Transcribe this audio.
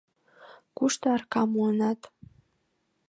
Кушто аракам муынат?